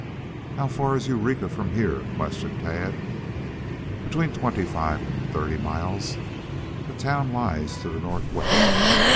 "How far is Eureka from here?" questioned Tad. "Between twenty five and thirty miles. The town lies to the northwest.